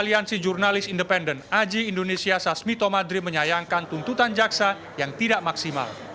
aliansi jurnalis independen aji indonesia sasmito madri menyayangkan tuntutan jaksa yang tidak maksimal